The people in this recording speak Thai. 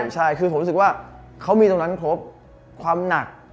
ใช่คือผมรู้สึกว่าเขามีตรงนั้นครบความหนัก